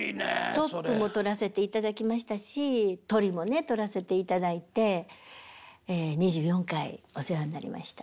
トップも取らせていただきましたしトリもね取らせていただいて２４回お世話になりました。